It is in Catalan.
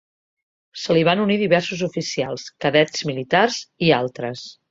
Se li van unir diversos oficials, cadets militars i altres.